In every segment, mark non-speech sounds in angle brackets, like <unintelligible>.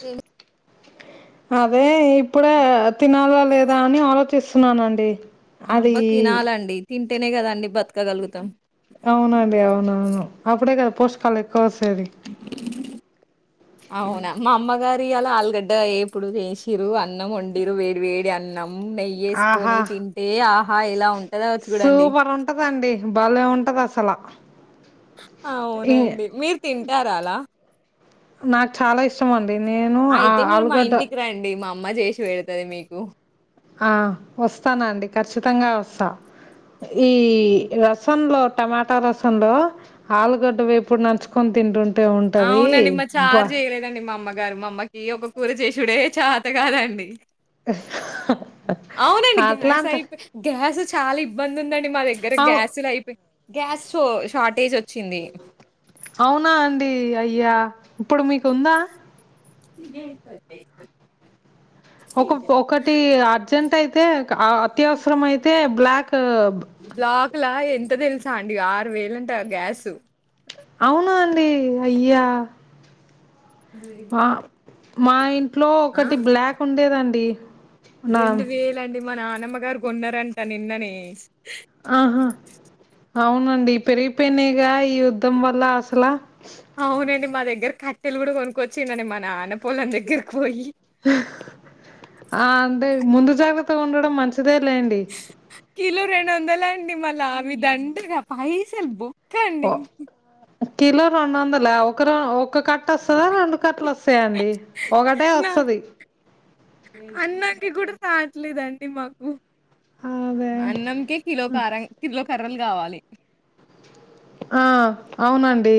ఏ అదే ఈ ఇప్పుడే తినాల్ వేదా అని ఆలోచిస్తున్నానండి అబ్బ అది తినాలండి తింటేనే కదండి బ అవునండి అవున అవును అప్పుడే కద పోస్కల్లేక్కువస్ సరే అవునా మా అమ్మగారి అలా ఆలుగడ్డ ఏపుడు చేసిర్రు. అన్నం వండిర్రు వేడి వేడి అన్నం. ఊ ఆహా నెయ్యేసుకొని తింటే ఆహా ఎలా ఉంటదో చూడండి. బలే ఉంటదసల అవునండి మీరు తింటార అలా నాకు చాలా ఇష్టం అం పె నేను ఆ ఆలుగడ్డ మ్మ చేసి పెడతది మీకు ఆ వస్తానండి ఖచ్చితంగా వస్తా ఈ రసంలో టమాటా రసంలో ఆలుగడ్డ వేపుడు నంచుకొని తింటుం అవునండి మా చార్ చేయలేదండి మా అమ్మ గారు మాఅమ్మకి ఒక కూర చేసుడే చేత కాదండి. అవునండి గ్యాస్ అట్లాంటది అయిపోయి గ్యాసొచ్ చాలా ఇబ్బం నుందండి మా దగ్గర అవు గ్యాసులు అయిపో గ్యాస్ సో షార్టేజో అవునా అండి అయ్ య్యా ఇప్పుడు మీకు ఉందా? ఏత్తది చేయిత్తది ఒక ఒకటి అర్జెంట్ అయితే క అత్యవసరం అయితే బ్లాక్ బ్లాక్లా ఏ ఎంత తెలుసా అండి ఆరు వేలుంట గ్యాసు అవునా అండి అయ్యా ఆ మా ఇంట్లో ఒకటి బ్లాక్ ఉండేదండి. నా రెండు వేల అండి మా నానమ్మ గారు కొన్నారంట నిన్ననే ఆహా అవునండి పెరిగిపోయినాయిగా ఈ యుద్ధం వల్ల అసలా అవునండి మా దగ్గర క తెలుగుడ కొనుకొచ్చినుడు మా నాన్న పొలం దగ్గర పోయి అంటే ముందు జాగ్రత్తగా ఉండడం మంచి కిలో రెండు వందల అండి మలవి దండ్రిగా పైసెలు బో తండి ఓ కిలో రెండు వందలే ఒక ఒక కట్ట వస్తుందా రెండు కట్టలు వస్తా సే అండి ఒకటే నా వస్తది దాట్లేదండి మాకు అదే అన్నం క కిలో క కిలో క కావాలి ఆ అవునండి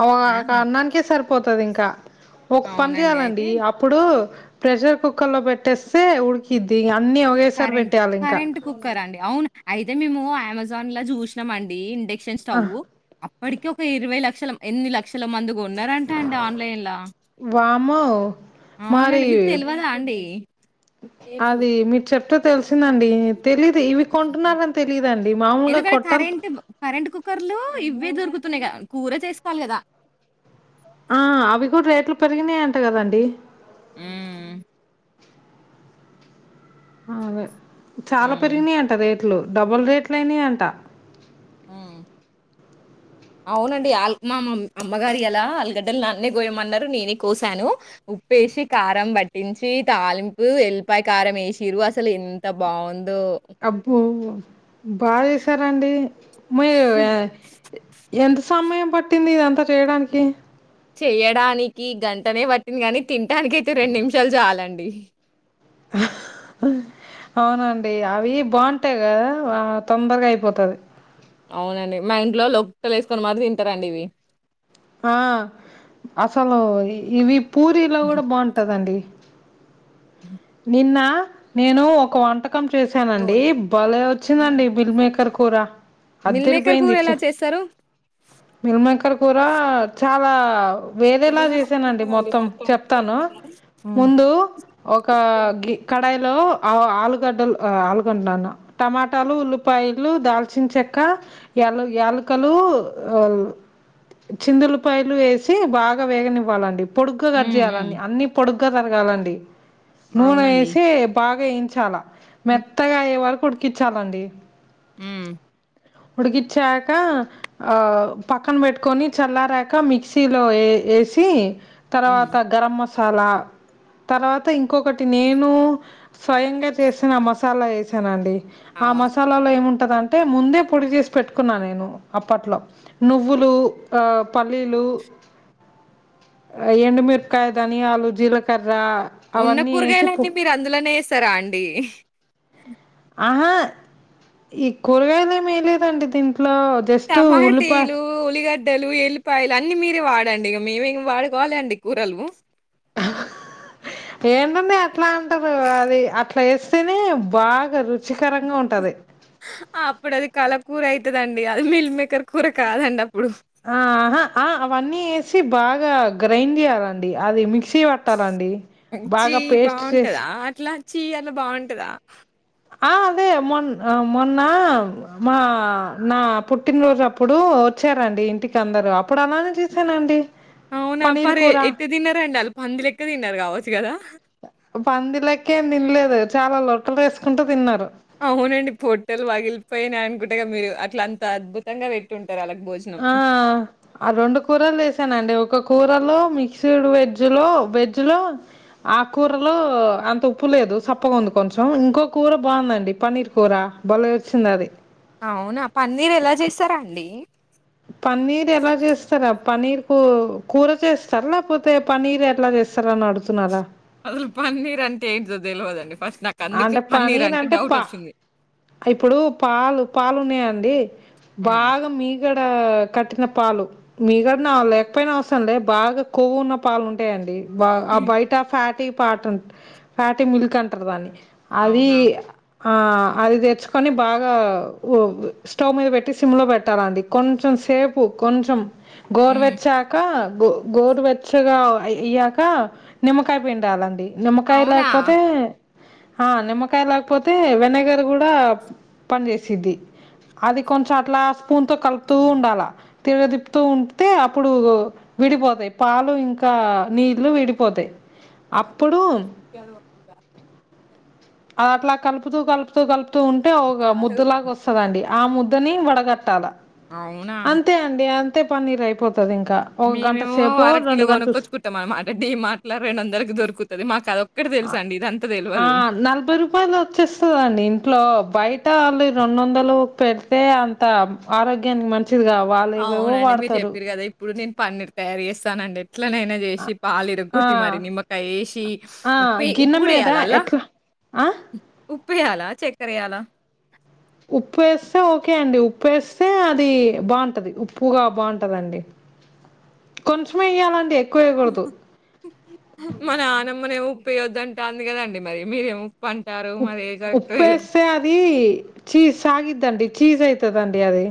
అ ఆ, అన్నానికే సార్ పోతది ఇంకా ఒక పని అవునండి చెయాలండి అయితే అప్పుడు ప్రెషర్ కుక్కర్ లో పెట్టేస్తే ఉడికిది కరెంట్ కరెంట్ కుక్కర్ అండి అవును అయితే మేము అమెజాన్ లా చూసినామండి ఇండెక్ ఇండక్షన్ ఆ స్టవ్ వాడికి ఒక ఇరవై లక్షల ఎన్ని లక్షల మంది కూడా ఉన్నారంట అండి ఆన్లైన్ మ్మ్ అవునండి మీకు తెలియదా అండి అది మీరు చెప్తే తెలిసిందండి తెలీదు ఇవి కొంటున్నారని తెలీదండి మామూలుగా ఎందుకంటే కొట్టాలి కరెం కరెంట్ కుక్కర్లు ఇవ్వే దొరుకుతు తునే కూర చేసుకోవాలి కదా ఆ అవి కూడా రేట్లు పెరిగినాయి అంట కదండి ఆ అవును చాలా హ్మ్. పెరిగినాయి అంట రేట్ రట్లు డబుల్ రేట్లు అయినాయి అంట అవునండి మా అమ్మగారు ఎలా అలుగడ్డలు నాన్నే కోయమన్నారు నేనే కోసాను ఉప్పేసి కారం పట్టించి తాలింపు ఎల్లిపాయ కారం వేసిరు అసలు ఎంత బాగుంది అబ్బో బాయస్ సరే అండి మ ఎంత సమయం పట్టింది ఇదంతా చేయడానికి చెయడానికి గంటనే పట్టింది గాని తింటానికి అయితే రెండు నిమిషాలు చాలండి అ అవునండి అవి బాగుం టై కదా తొందరగై పోతది అవునండి మా ఇంట్లో వాళ్ళు లొక్కలిస్కొని మరి తింటారండి ఇవి ఆ అసలు ఇవి పూరీలో కూడా బాగుంటదండి నిన్న నేను ఒక వంట కం చేశానండి నూనె, బలే కారం. వచ్చిందండి మీల్ మిల్క్ ర్ కురా మిల్ అదిరి మేకర్ కూర పోఇంది చ్చ ఎలా చేస్తారు? మిలమిల్కర్ కూర చాలా వేరేలా చేసానండి మొత్తం చెప్తాను హ్మ్. ముందు ఒ క గి కడ్ డాయిలో ఆ ఆలుగడ్డ ఆలుగంన్నను టమాటాలు ఉల్లిపాయలు దాల్చిన చెక్క యల్ యాలకలు చిందులపాయలు వేసి బాగా వేగనివ్వాలండి పొడుగ్గ కట్ హ్మ్. హ్మ్. చేయాలన్ని అన్ని పొడుగ్ గ్గ తరగాలండి నూనే అవునండి. ఎసి పా వేయించాలా హ్మ్. మెత్తగాయే వరక్ ఊడికిచ్చాలండి మ్ ఉడికిచ్చాక ఆ పక్కన పెట్టుకొని చల్లారాక మిక్సీలో ఏ ఏసి హ్మ్. తర్వాత గరం మసా చాలా తర్వాత్ త ఇంకొకటి నేను స్వయంగా చేసిన మసాలా వేసానండి ఆ అవును. మసాలాలో ఏ ముం టదంటే ముందే పొడి చేసి పెట్టుకున్నా నేను అప్పట్లో నువ్వులు ఆ పల్లీలు ఎండుమిరకాయ ధనియాలు జీలకర్ర ఉన్న అవన్నీ ఏసి పు పూరగాయలన్నీ మీరు అందులోనే ఏస్తారా అండి ఆహా ఈ కూరగాయలేమీ ఏయలేదండి దీన్ ట్లో జస్టు ఉల్లిపా డ్డలు ఎల్లిపాయలు అన్నిీ మీరే వాడండి ఇగ మీ మేమి వాడుకోవాలండి కూరలు ఏంటున్నయ్ అట్లా అంటారు అది అట్లా ఎస్ తెనే బాగా రుచికరంగా ఉంటది ఆ అప్పుడు అది కళకూర అవుతుదండి అది మిల్ మేకర్ కూర కాదండి అప్పుడు ఆహా ఆ అవన్నీ వేసి బాగా గ్రైండ్ చేయ్యాలండి అది మిక్స్ సి పట్టాలండి బాగా పేస్ట్ చేసి చీ అట్లా బాగుంటదా ఆ అదే మొ మొన్న మా నా పుట్టినరోజు అప్పుడు వచ్చారండి ఇంటికి అందరూ అప్పుడు అలానే చూసానండి అవునా ప్పే ఎట్లా తిన్నారు అండి పంది లెక్క తిన్నారు కావచ్చు కదా పంది లెక్కేం తినలేదు చాలా లొట్టలు వేసుకుంటూ తిన్నారు అవునండి పొట్టలు పగిలిపోయినాయి అనుకుంటేగా మీరు అట్లా అంత అద్భుతంగా పెట్టుంట ఆ ఆ రెండు కూరలు వేశానండి ఒక కూరలో మిక్సిడ్ వెజ్ లో వెజ్ లో ఆ కూరలో అంత ఉప్పు లేదు సప్పగా ఉంది కొంచెం ఇంకో కూర బాగుందండి పన్నీర్ కూర బల వచ్చింది అది అవునా పన్నీరు ఎలా చేశారా అండి పన్నీర్ ఎలా చేస్తారా పన్నీర్ కు కూర చేస్తారా లేకపోతే పన్నీర్ ఎట్లా చేస్తార అని అడుతున్నారా అసలు పన్నీర్ అంటే ఏంటిదో తెలవదండి ఫస్ట్ నాకందుకే అంటే పన్నీర్ పనీరు అంటే పా డౌటొచ్చింది. ఇప్పుడు పాలు పాలు ఉన్నాయండి <unintelligible> హ్మ్. బాగు మీ మీ గడ కట్టిన పాలు మీగడ నా లేకపోయినా అవసరంలే బాగా కొవ్వు ఉన్న పాలు ఉంటాయండి బాగా హ్మ్. బయట ఆ ఫ్యాట్ ఫ్యాట్ ఫ్యాటీ మిల్క్ అంటారు దాన్ని అది అవునా? ఆ అది తెచ్చుకొని బాగా స్టవ్ మీద పెట్టి సిమ్లో పెట్టాలండి కొంచెం సేపు కొంచెం హ్మ్. గోరువచ్చాక గో గోరు వెచ్చగా అయ్యాక నిమ్మకాయ పిండాలండి నిమ్మకాయ అవునా? లేకపోతే ఆ నిమ్మకాయ లేకపోతే వెనగర్ కూడా పని చేసేది అది కొంచెం అట్లా స్పూన్ తో కలుపుతూ ఉండాలా తిడ తిప్పుతూ ఉంటతే అప్పుడు విడిపోతాయి పాలు ఇంకా నీళ్లు విడిపోతాయి అప్పుడు <unintelligible> అట్లా కలుపుతూ కలుపుతూ కలుపు తు ఉంటే కాదు. ముద్దులాగా వస్తుందండి ఆ ముద్దని వడగట్టాలా అవునా? అంతే అండి అం పన్నీర్ అయిపోతది మేమేమో అరకిలో గంటలు స్ కొనుక్కొచ్చుకుంటాం అనమాట దీ మాటలా రెండువందలకి దొరుకుతుది మాకు అద ఆ నలభై రూపాయలు వచ్చేస్తందండి ఇంట్లో బయట అమ్మేటో రెండు వందలు పెట్టి అంత ఆరోగ్యానికి మంచి దిగా వాళ్ళు ఏవేవో వాడతారు పన్నీరు తయారు చేస్తానండీ ఎట్లనైనా చేసి పాలు ఆ ఇరగగొట్టి మరి నిమ్మకాయ వేసి ఆ ఉప్పుే ఉప్పు గిన్నె కూడా మీద వేయాలా అల్లా ఎట్లా ఆ ఉప్పు వేయాల చక్కర వేయాలా ఉప్పు వేస్తే ఓకే అండి ఉప్పుేస్తే అది బాగుంటది ఉప్పుగా బాగుంటదండి కొంచెమే ఇయ్యాలండి మనన్నమ్మ ఏమో పోయొద్దంటే అంది కదండి మరి మీరేమో ఉప్పంటారు. ఉప్ మరి ఏది కరెక్టో ఏదో ఉప్పుేసే అది చీజ్ సాగిద్దండి చీజ్ అయుతదండి అది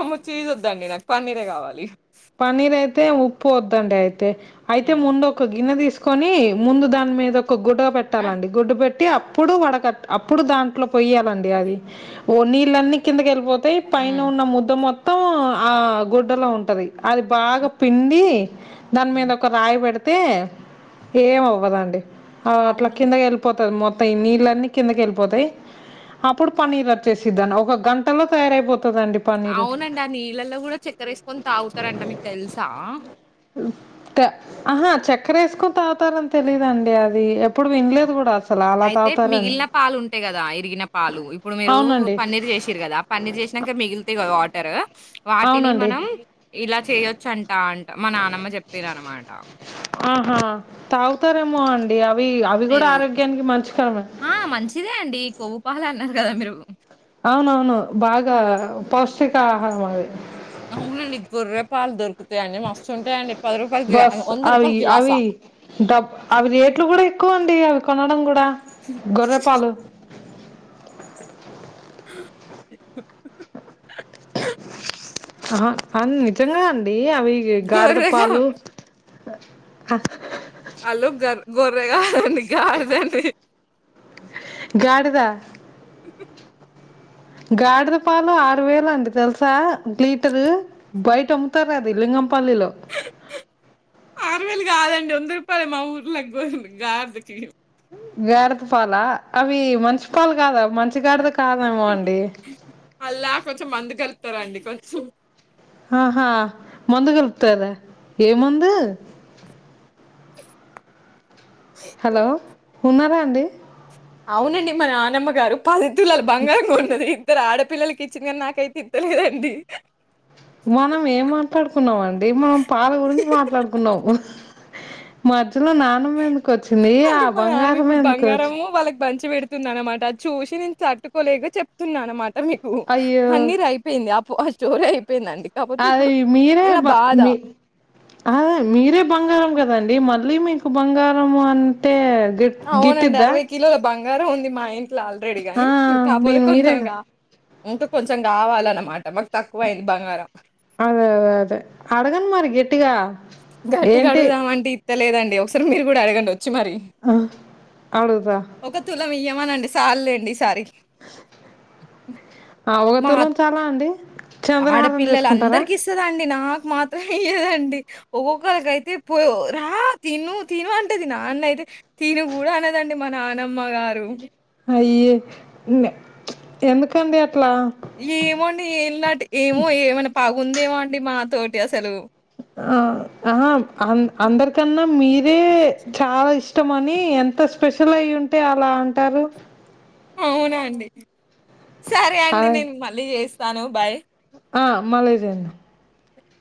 అమచ్చీజ వద్దండి నాకు పన్నీరే కావాలి పన్నీర్ అయితే ఉప్పు వద్దండి అయితే అయితే హ్మ్. ముందు ఒక గిన్న తీసుకు కని ముందు దాని మీద ఒక గుడ్డుగా పెట్టాలండి గుడ్డు పెట్టి టి అప్పుడు వడకట్ అప్పుడు దాంట్లో కొయ్యాలండి అది ఓ నీల్ అన్ని కింద గె పోతే పైన హ్మ్. ఉన్న ముద్ద మొత్తం మొత్తం ఆ గుడ్డలో ఉంటది అది బాగా పిండి దాని మీద హ్మ్. ఒక రాయి పెడుత అతే ఏం అవ్వదండి అట్లా అవును. కిందకి వెళ్ళిపోతాది మొత్ యి నీళ్ళన్నీ కిందకి వెళ్ళిపోతాయి అప్పుడు పన్నీరు వచ్చేసిద్దాను ఒక గంటలో తయారైపోత అవునండి ఆ నీళ్ళల్లో కూడా చక్కరేసైకోని తావసం స్తారంట మీకు తెలుసా ఆహా చక్కర వేసుకుని తావుతారని తెలిదండి అది ఎప్పుడు వినలేదు కూడా అస అయితే మిగిలిన పాలు ఉంటాయి కదా ఇరిగిన పాలు ఇప్పుడు మీరు అవునండి పన్నీర్ చేసారు కదా పన్నీర్ చేసినాక మిగిలితాయి కదా వాటర్ వాటిని అవునండి మనం ఇలా చేయచ్చ అండి అంట మా నానమ్మ చెప్పారీనమాట ఆ తాగుతారేమో అండి అవి అవి కూడా పెరుగు. ఆరోగ్యానికి మంచి కరమే పాలు అన్నారు కదా మీరు అవునవును బాగా పౌష్టిక ఆహారం అది అవునండి గొర్రే పాలు దొరుకుతాయండి మస్తు ఉంటాయండి బస్ అవి అవి డబ్ అవి రేట్లు కూడా ఎక్కువ అండి అవి కొనడం కూడా గొర్ర పాలు ఆహా అన్ నితంగా అవి గాఢద గొర్రెగా పాలు అ వాళ్లు గర్ గొర్రెగా కాదండి గాడిదండి గాడిద గాడిద పాలు ఆరు వేలు అండి తెలుసా లీటరు బయట అమ్ముతారు అది లింగంపల్లిలో వేలు కాదండి వంద రూపాయలు మా ఊర్లో పోంది గాడిదకి గాడతపాల అవి మంచిపాలు కాదా మంచిగాడది కాదేమో అండి చెతారండి కొంచెం ఆహా మందు కలుపుతర ఏం మందు హలో ఉన్నారా అండి అవునండి మ నానమ్మ గారు పాది తులు బంగారం కొన్నది ఇద్దరు ఆడ పిల్లలకి ఇచ్చింది కానీ నాకైతే ఇత్తలేదండి మనం ఏం మాట్లాడుకున్నాం అండి అదే మనం పాల గురించి మాట్లాడుకున్నావు మాది ఇట్లు నాన్నమ్మ ఎందుకు వచ్చింది ఆ బంగారం ఎందుకు వచ్ పంచి పెడుతుంది అనమాట అది చూసి నేను తట్టుకోలేక చెప్తున్నా అనమాట మీకు అయ్యో పన్నీరు అయిపోయింద ఫ స్టోరేయ్ అది మీరే బాధ మీ అ మీరే బంగారం కదండి మళ్ళీ మీకు బంగారం అంటే గిట్ అవునండి గిట్టిద్దా అరవై కిలోల బ బంగారం ఉంది మా ఇ లా ఆల్రెడీ గాని ఆ కాకపోతే మీరు మీరే కదా కొంచెంగా ఇంకా కొంచెం కావాలన్నమాట మాకు తక్కువయింది బంగారం అదే అదే అదే అడగండి మరి గట్టిగా గట్టి గా ఏంటి అడుగుదామంటే ఇత్తలేదన్ ఒకసారి మీరు కూడా అడగండి ఆ అడుగుతా ఒక తులమియ్యమనండి సాల్లెండి ఈ సారి ఆ ఓ తులం చాలా అండి చంద్రహారం ఆడపిల్లల చేసుకుంటారా అందరికి ఇస్తదన్ నాకు మాత్రం ఇయ్యదండి ఒక్కొక్కరిక అయితే పో రా తిను తిను అంటది నాన్న అయితే తిను కూడా అనేదండి మా నాన్నమ్మ గారు అయ్యే ఎందుకండి అట్ ఏమోండి ఏంలాటి ఏమో ఏమైనా పాగు ఉందేమో అండి మా తోటి అసలు ఆ ఆహా అ అందరికన్నా మీరే చాలా ఇష్ ఇష్టమని ఎంత స్పెషల్ అయ్యి ఉంటే అలా అంటారు అవునా అండి సరే అండి అ నేను మళ్ళీ చేస్ తాను బాయ్ ఆ మళ్ళీ చెయిండి